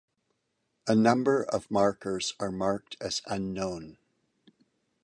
A number of markers are marked as unknown.